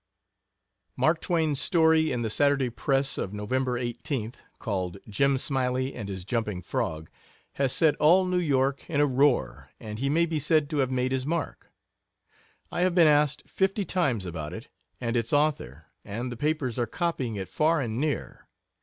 "Mark Twain's story in the Saturday Press of November 18th, called 'Jim Smiley and His Jumping Frog,' has set all New York in a roar, and he may be said to have made his mark. I have been asked fifty times about it and its author, and the papers are copying it far and near.